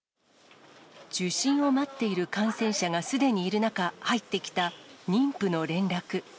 受診を待っている感染者がすでにいる中、入ってきた妊婦の連絡。